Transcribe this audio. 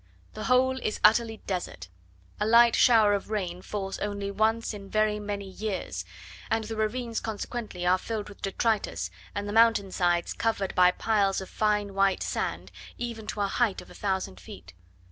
The whole is utterly desert. A light shower of rain falls only once in very many years; and the ravines consequently are filled with detritus, and the mountain sides covered by piles of fine white sand, even to a height of a thousand feet.